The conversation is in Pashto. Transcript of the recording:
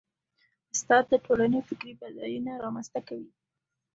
استاد د ټولنې فکري بډاینه رامنځته کوي.